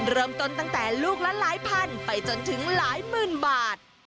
เริ่มต้นตั้งแต่ลูกละหลายพันไปจนถึงหลายหมื่นบาท